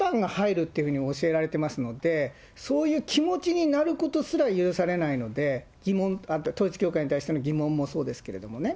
そういう思いを抱くことはサタンが入るっていうふうに教えられてますので、そういう気持ちになることすら許されないので、統一教会に対しての疑問もそうですけれどもね。